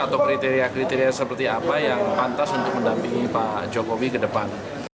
atau kriteria kriteria seperti apa yang pantas untuk mendampingi pak jokowi ke depan